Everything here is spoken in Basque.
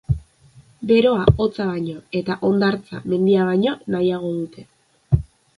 Beroa hotza baino eta hondartza mendia baino nahiago dite.